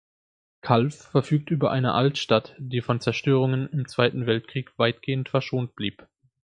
Calw verfügt über eine Altstadt, die von Zerstörungen im Zweiten Weltkrieg weitgehend verschont blieb.